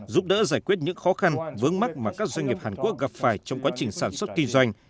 giúp đỡ giải quyết những khó khăn vướng mắt mà các doanh nghiệp hàn quốc gặp phải trong quá trình sản xuất kinh doanh